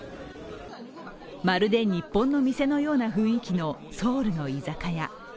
まるで日本の店のような雰囲気のソウルの居酒屋。